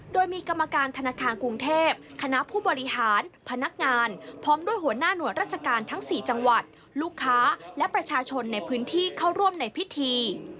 โดยมีกรรมการธนาคารกรุงเทพคณะผู้บริหารพนักงานพร้อมด้วยหัวหน้าหน่วยราชการทั้ง๔จังหวัดลูกค้าและประชาชนในพื้นที่เข้าร่วมในพิธี